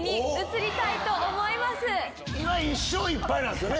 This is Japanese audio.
今１勝１敗なんですよね。